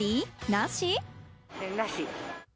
なし？